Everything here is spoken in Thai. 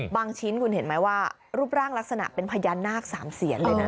ชิ้นคุณเห็นไหมว่ารูปร่างลักษณะเป็นพญานาค๓เสียนเลยนะ